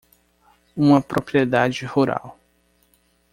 Uma propriedade rural.